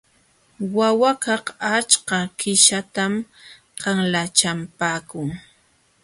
Wawakaq achka qishatam qanlachapaakun.